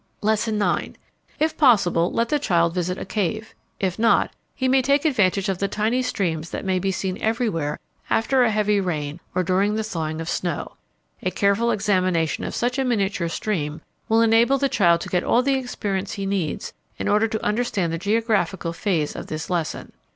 Lesson IX. If possible let the child visit a cave; if not, he may take advantage of the tiny streams that may be seen everywhere after a heavy rain or during the thawing of snow. A careful examination of such a miniature stream will enable the child to get all the experience he needs in order to understand the geographical phase of this lesson.